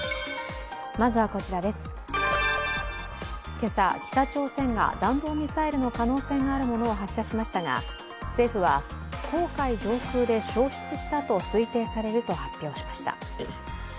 今朝、北朝鮮が弾道ミサイルの可能性があるものを発射しましたが、政府は黄海上空で消失したと推定されると発表しました。